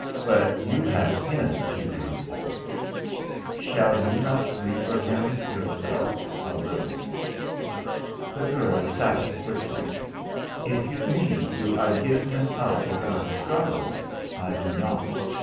But you have him to grieve for." "Shall you not grieve for him yourself a little?" The girl sat up quickly. "If you mean do I give him up without a struggle I do not.